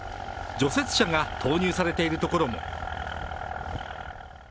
除雪車が投入されているところも。